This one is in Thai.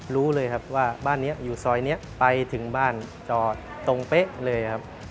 รู้เลยครับว่าบ้านนี้อยู่ซอยนี้ไปถึงบ้านจอดตรงเป๊ะเลยครับ